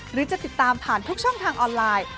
หรือจะติดตามผ่านทุกช่องทางออนไลน์